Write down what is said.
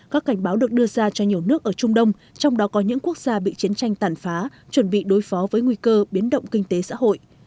các cảnh báo được đưa ra cho nhiều nước ở trung đông trong đó có những quốc gia bị chiến tranh tàn phá chuẩn bị đối phó với nguy cơ biến động kinh tế xã hội